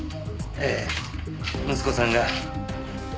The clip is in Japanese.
ええ息子さんが。